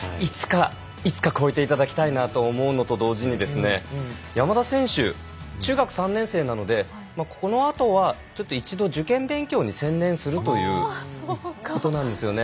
いつか超えていただきたいなと思うのと同時に山田選手、中学３年生なのでこのあとはちょっと一度受験勉強に専念するということなんですよね。